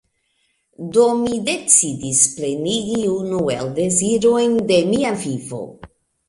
Do, mi decidis plenigi unu el dezirojn de mia vivo.